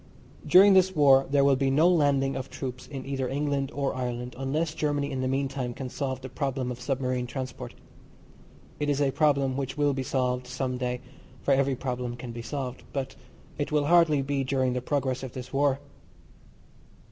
During this war there will be no landing of troops in either England or Ireland unless Germany in the meantime can solve the problem of submarine transport. It is a problem which will be solved some day, for every problem can be solved, but it will hardly be during the progress of this war.